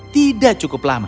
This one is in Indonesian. tidak cukup lama